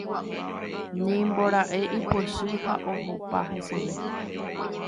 Nimbora'e ipochy ha ohopa heseve.